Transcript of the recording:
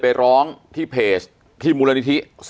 อันดับสุดท้าย